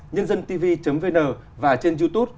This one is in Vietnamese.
nhândântv vn và trên youtube